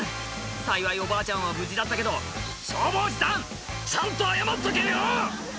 幸いおばあちゃんは無事だったけど消防士さんちゃんと謝っとけよ！